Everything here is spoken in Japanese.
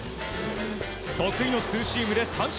得意のツーシームで三振。